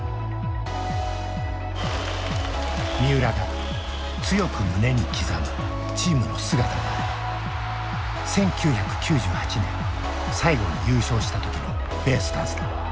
三浦が強く胸に刻むチームの姿が１９９８年最後に優勝した時のベイスターズだ。